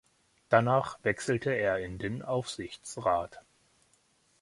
Danach wechselte er in den Aufsichtsrat.